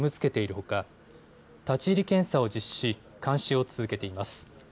ほか立ち入り検査を実施し、監視を続けています。